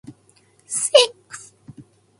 男女間の情事、交接のたとえ。